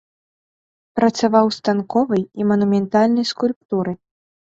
Працаваў ў станковай і манументальнай скульптуры.